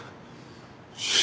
よし！